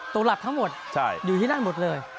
หลักทั้งหมดอยู่ที่นั่นหมดเลย